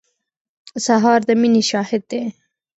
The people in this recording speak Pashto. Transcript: سهار د مینې شاهد دی.